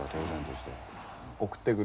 送ってくる。